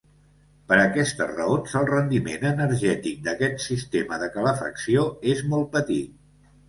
Per aquestes raons el rendiment energètic d'aquest sistema de calefacció és molt petit.